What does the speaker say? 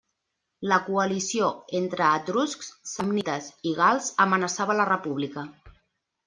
La coalició entre etruscs, samnites i gals amenaçava la república.